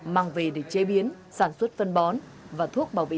mang về để chế biến sản xuất phân bón và thuốc bảo vệ thực vật